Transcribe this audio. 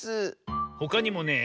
ほかにもねえ